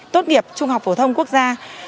tốt nghiệp trung học phổ thông quốc gia